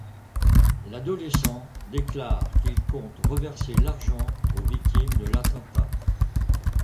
L'adolescent déclare qu'il compte reverser l'argent aux victimes de l'attentat.